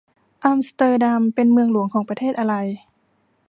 อัมสเตอร์ดัมเป็นเมืองหลวงของประเทศอะไร